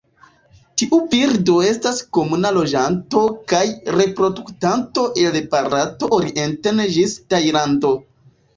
Tiu birdo estas komuna loĝanto kaj reproduktanto el Barato orienten ĝis Tajlando.